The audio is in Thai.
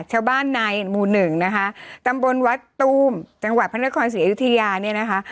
ชาวบ้านในหมู่หนึ่งนะคะตำบลวัดตูมจังหวัดพระนครศรีอยุธยาเนี่ยนะคะ